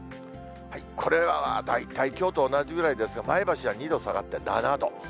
これらは大体、きょうと同じぐらいですが、前橋は２度下がって７度。